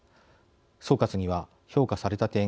総括には評価された点